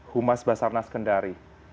humas basarnas kendari